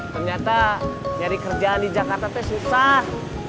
ternyata nyari kerjaan di jakarta itu susah